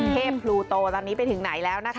พลูโตตอนนี้ไปถึงไหนแล้วนะคะ